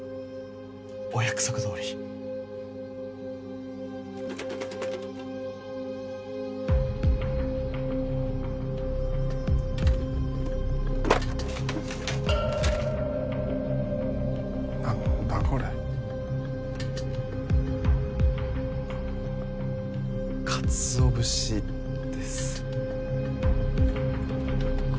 お約束どおり何だこれあかつおぶしです